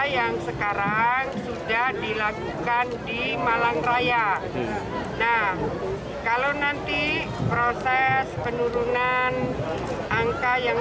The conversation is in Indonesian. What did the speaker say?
yang sekarang sudah dilakukan di malang raya nah kalau nanti proses penurunan angka yang